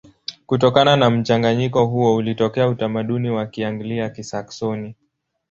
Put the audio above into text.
Kutokana na mchanganyiko huo ulitokea utamaduni wa Kianglia-Kisaksoni.